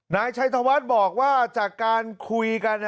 นายชัยธวัฒน์บอกว่าจากการคุยกัน